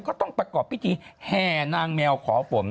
ก็ต้องประกอบพิธีแห่นางแมวขอฝน